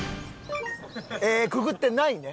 「くくってない」ね。